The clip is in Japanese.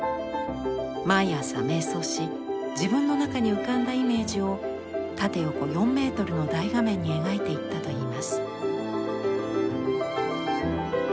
毎朝瞑想し自分の中に浮かんだイメージを縦横４メートルの大画面に描いていったといいます。